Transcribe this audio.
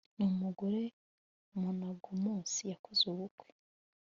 n umugore monogamous yakoze ubukwe